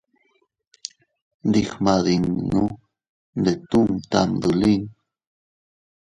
Ndigmadinnu ndetuu tamdolin.